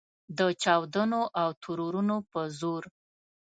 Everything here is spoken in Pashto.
د چاودنو او ترورونو په زور.